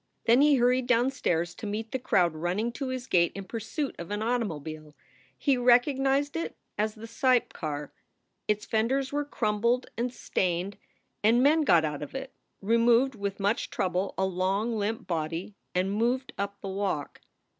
Then he hurried downstairs to meet the crowd running to his gate in pursuit of an automobile. He recognized it as the Seipp car. Its fenders were crumpled and stained, and men got out of it, removed with much trouble a long limp body, and moved up the walk.